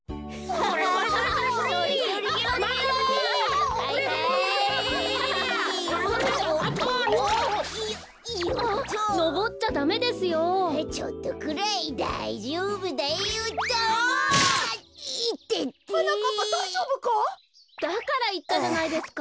はなかっぱだいじょうぶか？だからいったじゃないですか。